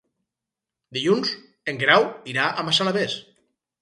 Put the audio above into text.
Dilluns en Guerau irà a Massalavés.